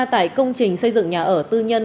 tại công trình xây dựng nhà ở tư nhân